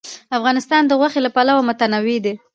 افغانستان د غوښې له پلوه متنوع دی.